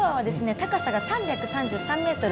高さが３３３ｍ。